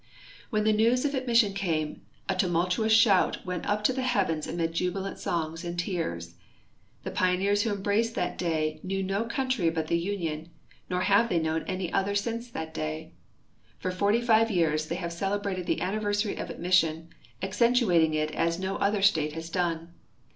When the neAvs of admission came, a tumultuous shout Avent up to the heavens amid jubilant songs and tears. The pioneers Avho embraced that day kneAV no country hut the Union ; nor have they knoAvn any other since tliat day. For forty five years they have cele brated the anniversary of admission, accentuating it as no other state has done.